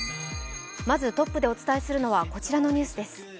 トップでお伝えするのはこちらのニュースデス。